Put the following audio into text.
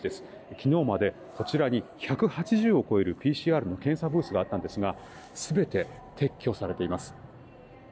昨日までこちらに１８０を超えるＰＣＲの検査ブースがあったんですが全て撤去されています。